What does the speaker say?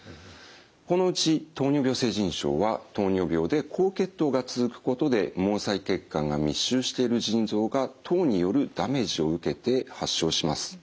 このうち糖尿病性腎症は糖尿病で高血糖が続くことで毛細血管が密集している腎臓が糖によるダメージを受けて発症します。